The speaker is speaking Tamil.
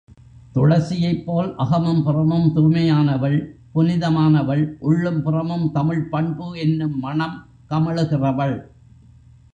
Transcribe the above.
துளசியைப்போல் அகமும் புறமும் தூய்மையானவள், புனிதமானவள், உள்ளும் புறமும் தமிழ்ப் பண்பு என்னும் மணம் கமழுகிறவள்.